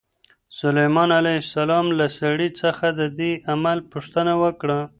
سلیمان علیه السلام له سړي څخه د دې عمل پوښتنه وکړه.